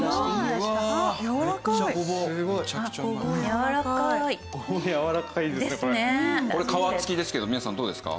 やわらかいですよね。